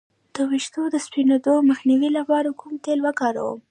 د ویښتو د سپینیدو مخنیوي لپاره کوم تېل وکاروم؟